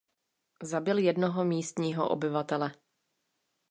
Zabil jednoho místního obyvatele.